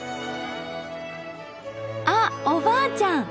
あっおばあちゃん！